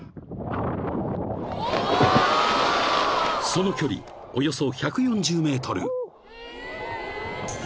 ［その距離およそ１４０ｍ］